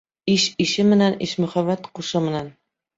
Иш ише менән, Ишмөхәмәт ҡушы менән.